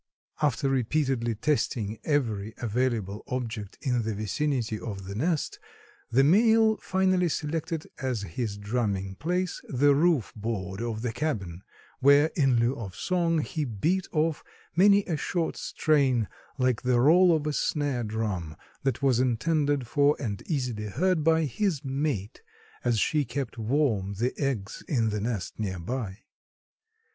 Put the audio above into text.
After repeatedly testing every available object in the vicinity of the nest, the male finally selected as his drumming place the roof board of the cabin, where in lieu of song, he beat off many a short strain, like the roll of a snare drum, that was intended for and easily heard by his mate as she kept warm the eggs in the nest near by.